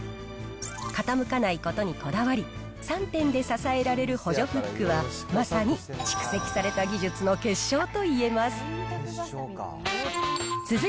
傾かないことにこだわり、３点で支えられる補助フックは、まさに蓄積された技術の結晶といえます。